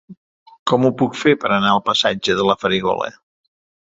Com ho puc fer per anar al passatge de la Farigola?